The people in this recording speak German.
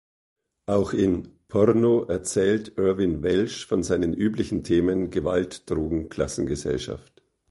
Auch in "Porno" erzählt Irvine Welsh von seinen üblichen Themen, Gewalt, Drogen, Klassengesellschaft.